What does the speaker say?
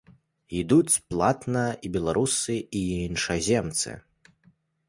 Ідуць платна і беларусы, і іншаземцы.